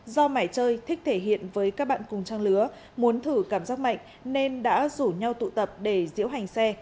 do mải chơi thích thể hiện với các bạn cùng trang lứa muốn thử cảm giác mạnh nên đã rủ nhau tụ tập để diễu hành xe